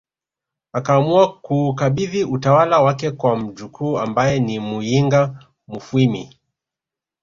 Akaamua kuukabidhi utawala wake kwa mjukuu ambaye ni Muyinga Mufwimi